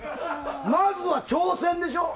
まずは、挑戦でしょ。